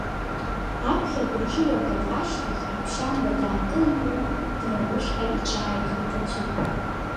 Аԥхьатәи аҽыуардын ашьҭахь амшьамба даакылҩрын, дара рышҟа иҿааихеит аӡәы.